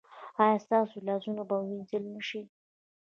ایا ستاسو لاسونه به وینځل نه شي؟